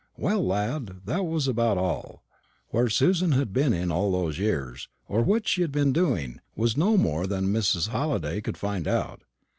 "Well, lad, that was about all. Where Susan had been in all those years, or what she had been doing, was more than Mrs. Halliday could find out.